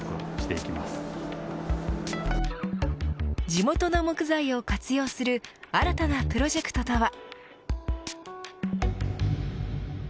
地元の木材を活用する新たなプロジェクトとは。